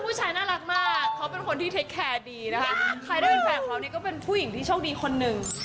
ใครได้เป็นแฟนเขานี่ก็เป็นผู้หญิงที่โชคดีคนนึง